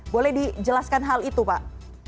boleh dijelaskan hal itu pak